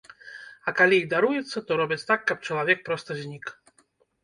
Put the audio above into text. А калі і даруецца, то робяць так, каб чалавек проста знік.